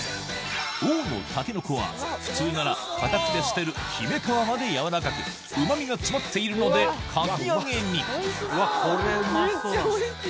王のタケノコは普通なら硬くて捨てる姫皮まで柔らかくうま味が詰まっているのでかき揚げにめっちゃおいしい。